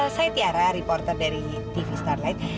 saya tiara reporter dari tv starlight